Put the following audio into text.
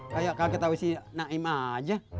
kayak kaget tahu si naim aja